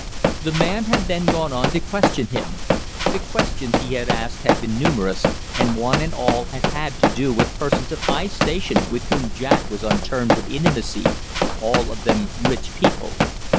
The man had then gone on to question him. The questions he had asked had been numerous, and one and all had had to do with persons of high station with whom Jack was on terms of intimacy all of them rich people.